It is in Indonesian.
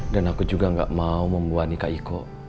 dan aku juga gak mau membuah nikah iko